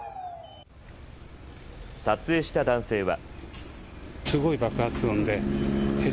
撮影した男性は。